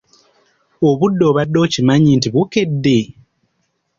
Obudde obadde okimanyi nti bukedde?